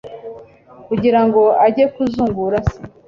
kugira ngo ajye kuzungura se